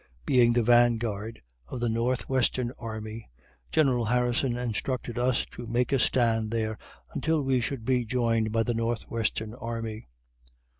Being the vanguard of the North Western Army, General Harrison instructed us to make a stand there until we should be joined by the North Western Army.